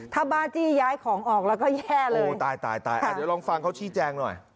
ถ้าบ้าจี้ย้ายของออกแล้วก็แย่เลยโอ้ตายตายตายอ่ะเดี๋ยวลองฟังเขาชี้แจงหน่อย